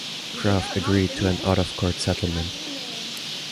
Kraft agreed to an out-of-court settlement.